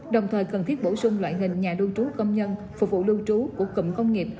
đồng thời cần thiết bổ sung loại hình nhà lưu trú công nhân phục vụ lưu trú của cụm công nghiệp